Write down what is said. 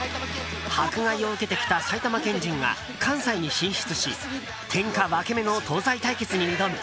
迫害を受けてきた埼玉県人が関西に進出し天下分け目の東西対決に挑む。